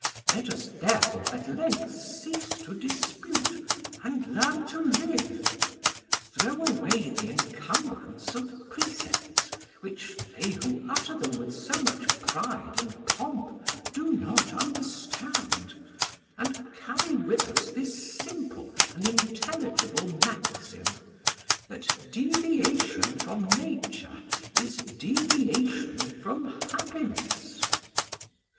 Let us therefore at length cease to dispute, and learn to live: throw away the encumbrance of precepts, which they who utter them with so much pride and pomp do not understand, and carry with us this simple and intelligible maxim: that deviation from Nature is deviation from happiness."